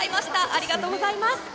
ありがとうございます。